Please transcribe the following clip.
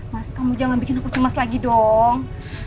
mas kamu jangan bikin cemas lagi dong